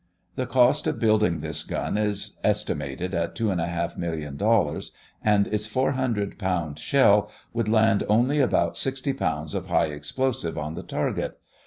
The cost of building this gun is estimated at two and a half million dollars and its 400 pound shell would land only about sixty pounds of high explosives on the target.